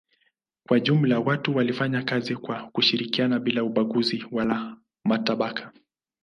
Kwa jumla watu walifanya kazi kwa kushirikiana bila ubaguzi wala matabaka.